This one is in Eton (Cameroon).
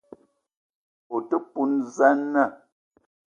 O te poun za na?